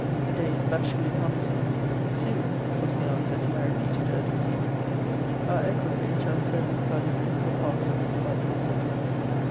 The day is bashfully promised me. Soon was the answer to my repeated urgency. Our equipage, our servants, our liveries, were parts of the delightful subject.